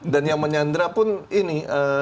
dan yang menyandra pun ini